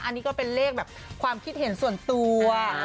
อันนี้ก็เป็นเลขแบบความคิดเห็นส่วนตัว